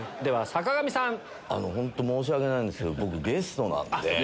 あの本当申し訳ないんだけど僕ゲストなんで。